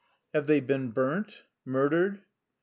"Have they been burnt? murdered?"